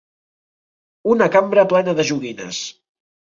Una cambra plena de joguines.